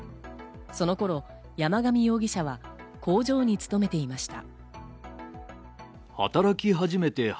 その頃、山上容疑者は工場に勤めていました。